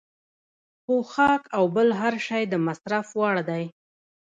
پوښاک او بل هر شی د مصرف وړ دی.